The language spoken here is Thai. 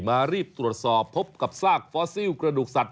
มารีบตรวจสอบพบกับซากฟอสซิลกระดูกสัตว